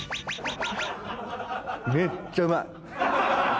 めっちゃうまい！